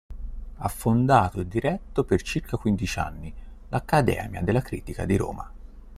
Ha fondato e diretto per circa quindici anni l'Accademia della Critica di Roma.